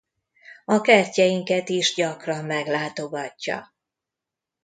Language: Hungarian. A kertjeinket is gyakran meglátogatja.